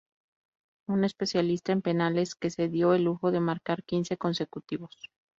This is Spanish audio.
Un especialista en penales que se dio el lujo de marcar quince consecutivos.